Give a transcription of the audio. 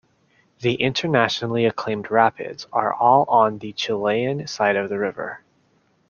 The internationally acclaimed rapids are all on the Chilean side of the river.